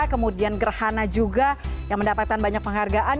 kemudian gerhana juga yang mendapatkan banyak penghargaan